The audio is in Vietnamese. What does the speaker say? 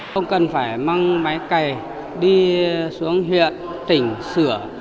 không cần phải mang máy cày đi xuống huyện tỉnh sửa